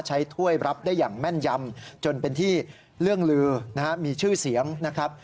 ถ้วยรับได้อย่างแม่นยำจนเป็นที่เรื่องลือนะฮะมีชื่อเสียงนะครับ